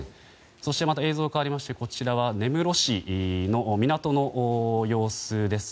そして、映像変わりましてこちらは根室市の港の様子です。